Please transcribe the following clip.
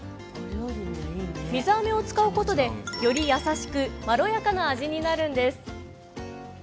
水あめを使うことで、より優しくまろやかな味になるんです。